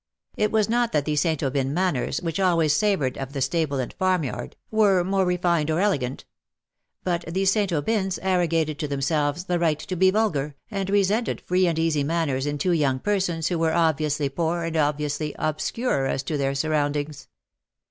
It was not that the St. Anbyn manners^ which always savoured of the stable and farmyard, were more re fined or elegant ; but the St. Aubyns arrogated to themselves the right to be vulgar, and resented free and easy manners in two young persons who were obviously poor and obviously obscure as to their surroundings.